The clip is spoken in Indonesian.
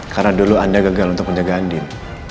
karena dulu anda gagal untuk menjaga andin